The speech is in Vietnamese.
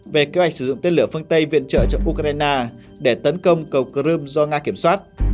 về kế hoạch sử dụng tên lửa phương tây viện trợ cho ukraine để tấn công cầu crimea do nga kiểm soát